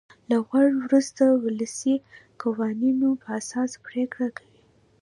له غور وروسته د ولسي قوانینو په اساس پرېکړه کوي.